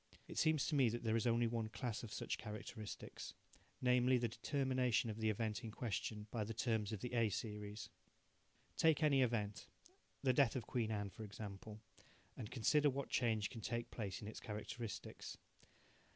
It seems to me that there is only one class of such characteristics namely, the determination of the event in question by the terms of the A series. Take any event the death of Queen Anne, for example and consider what change can take place in its characteristics.